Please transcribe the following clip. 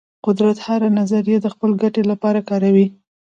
قدرت هره نظریه د خپل ګټې لپاره کاروي.